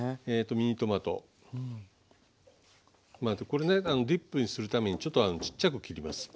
これねディップにするためにちょっとちっちゃく切ります。